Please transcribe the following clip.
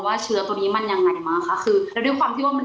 ว่าเชื้อตัวนี้มันยังไงมากค่ะแล้วด้วยความที่ว่า